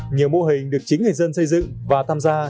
nhiều mô hình được chính người dân xây dựng và tham gia